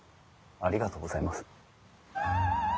ありがとうございます。